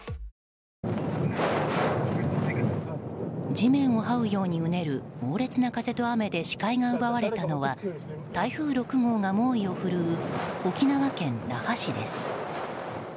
地面をはうようにうねる猛烈な風と雨で視界が奪われたのは台風６号が猛威を振るう沖縄県那覇市です。